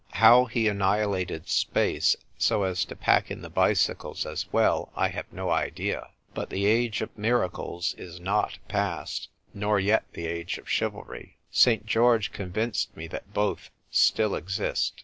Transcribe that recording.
How he annihilated space so as to pack in the bicycles as well I have no idea. But the age of miracles is not past, nor yet the age of chivalry. St. George convinced me that both still exist.